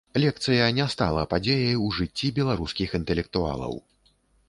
Лекцыя не стала падзеяй у жыцці беларускіх інтэлектуалаў.